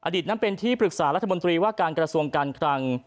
นั้นเป็นที่ปรึกษารัฐมนตรีว่าการกระทรวงการคลัง